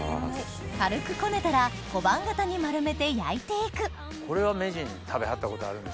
軽くこねたら小判形に丸めて焼いて行くこれは名人食べはったことあるんですか？